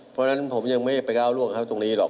เพราะฉะนั้นผมยังไม่ไปก้าวร่วงเขาตรงนี้หรอก